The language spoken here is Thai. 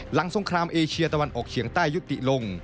สงครามเอเชียตะวันออกเฉียงใต้ยุติลง